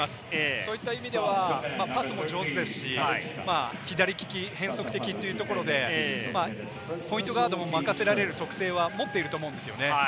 そういった意味ではパスも上手ですし、左利き、変則的というところでポイントガードも任せられる特性は持っていると思うんですね。